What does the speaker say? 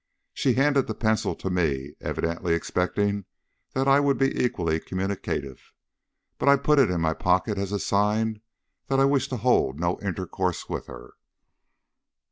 She handed the pencil to me, evidently expecting that I would be equally communicative, but I put it in my pocket as a sign that I wished to hold no intercourse with her.